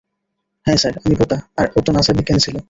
হ্যাঁ স্যার, আমি বোকা, আর ও তো নাসার বিজ্ঞানী ছিল।